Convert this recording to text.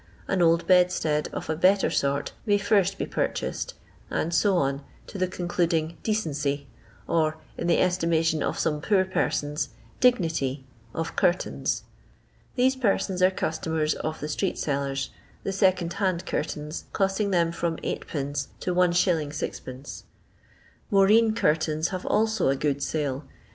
An old bedstead of a better sort may first be pur chased, and so on to the concluding " decency," or, in the estimation of some poor persons, " dig nity " of curtains. These persons are customers of the street sellers — the secondhand curtains costing them from 8d to 1«. M. Moreen curtains have also a good sale.